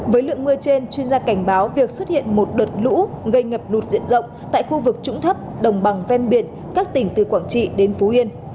với lượng mưa trên chuyên gia cảnh báo việc xuất hiện một đợt lũ gây ngập lụt diện rộng tại khu vực trũng thấp đồng bằng ven biển các tỉnh từ quảng trị đến phú yên